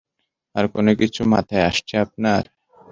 আর কোনো কিছু মাথায় আসছে আপনার?